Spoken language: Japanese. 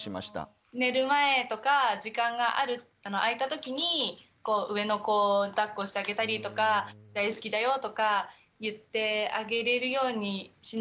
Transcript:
寝る前とか時間が空いたときに上の子をだっこしてあげたりとか大好きだよとか言ってあげれるようにしないとなって思いました。